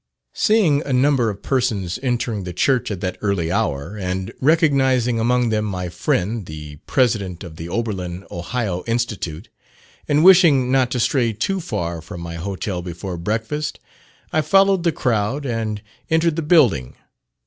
Seeing a number of persons entering the church at that early hour, and recognising among them my friend the President of the Oberlin (Ohio) Institute, and wishing not to stray too far from my hotel before breakfast, I followed the crowd and entered the building.